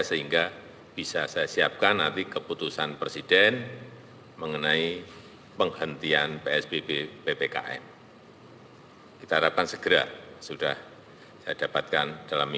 sehingga bisa saya siapkan nanti keputusan presiden mengenai penghentian psbb ppkm